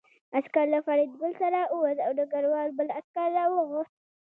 عسکر له فریدګل سره ووت او ډګروال بل عسکر راوغوښت